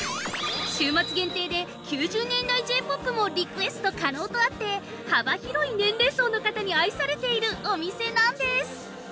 週末限定で９０年代Ｊ−ＰＯＰもリクエスト可能とあって幅広い年齢層の方に愛されているお店なんです。